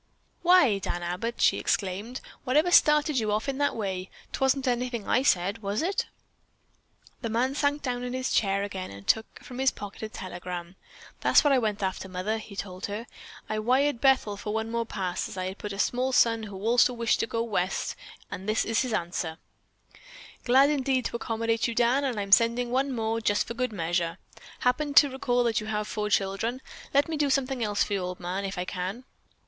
"Why, Dan Abbott," she exclaimed, "whatever started you off in that way? 'Twasn't anything I said, was it?" The man sank down in his chair again and took from his pocket a telegram. "That's what I went after, mother," he told her. "I wired Bethel for one more pass, as I had a small son who also wished to go West, and this is his answer: "'Glad indeed to accommodate you, Dan, and I'm sending one more, just for good measure. Happened to recall that you have four children. Let me do something else for you, old man, if I can.'"